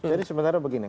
jadi sebenarnya begini